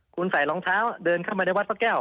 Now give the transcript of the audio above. คุณใส่รองเท้าเดินเข้ามาในวัดพระแก้ว